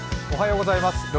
おはようございます。